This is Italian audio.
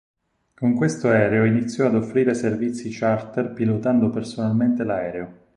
Con questo aereo iniziò ad offrire servizi charter pilotando personalmente l'aereo.